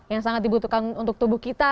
yang sangat dibutuhkan untuk tubuh kita